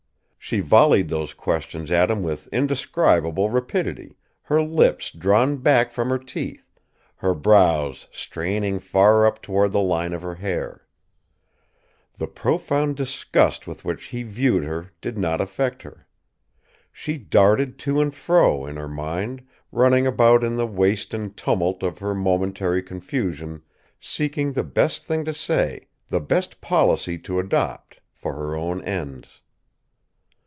She volleyed those questions at him with indescribable rapidity, her lips drawn back from her teeth, her brows straining far up toward the line of her hair. The profound disgust with which he viewed her did not affect her. She darted to and fro in her mind, running about in the waste and tumult of her momentary confusion, seeking the best thing to say, the best policy to adopt, for her own ends.